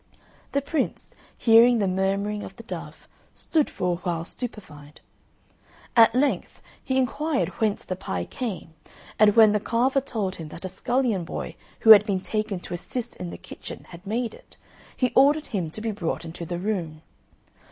The Prince, hearing the murmuring of the dove, stood for a while stupefied. At length, he inquired whence the pie came, and when the carver told him that a scullion boy who had been taken to assist in the kitchen had made it, he ordered him to be brought into the room.